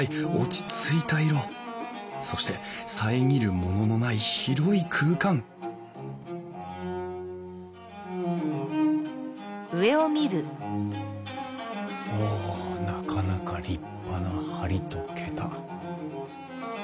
そして遮るもののない広い空間おなかなか立派な梁と桁。